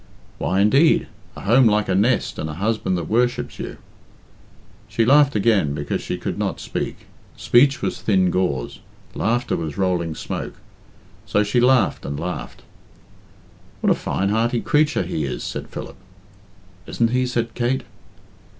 "Why, indeed? A home like a nest and a husband that worships you " She laughed again because she could not speak. Speech was thin gauze, laughter was rolling smoke; so she laughed and laughed. "What a fine hearty creature he is!" said Philip. "Isn't he?" said Kate.